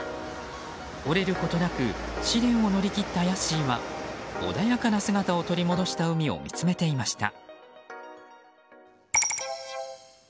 折れることなく試練を乗り切ったヤッシーは穏やかな姿を取り戻した海を見つめていました。